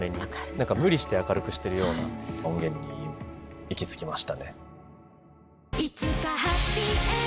何か無理して明るくしてるような音源に行き着きましたね。